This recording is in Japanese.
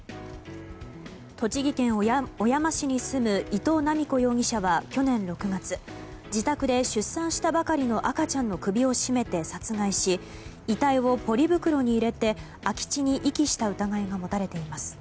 栃木県小山市に住む伊藤七美子容疑者は去年６月自宅で出産したばかりの赤ちゃんの首を絞めて殺害し遺体をポリ袋に入れて空き地に遺棄した疑いが持たれています。